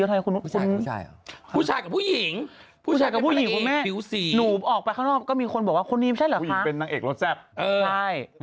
ทำไมเธอตอแหละอย่างนี้ฉันไม่เข้าใจเลย